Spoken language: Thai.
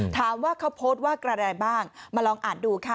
ถามว่าเขาโพสต์ว่ากระดายบ้างมาลองอ่านดูค่ะ